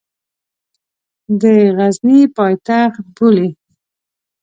د غزني پایتخت بولي.